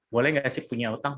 boleh nggak sih punya hutang